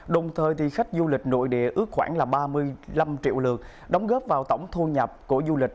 đồng thời khách du lịch nội địa ước khoảng ba mươi năm triệu lượt đóng góp vào tổng thu nhập của du lịch